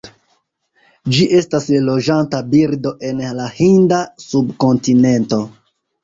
Ĝi estas loĝanta birdo en la Hinda subkontinento.